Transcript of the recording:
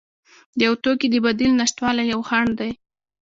د یو توکي د بدیل نشتوالی یو خنډ دی.